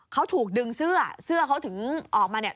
เขาถูกดึงเสื้อเสื้อเขาถึงออกมาเนี่ย